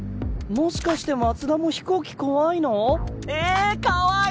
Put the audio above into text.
もしかして松田も飛行機怖いの？え可愛い。